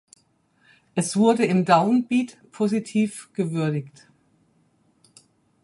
Es wurde im Down Beat positiv gewürdigt.